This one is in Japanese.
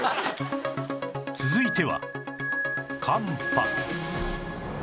続いては寒波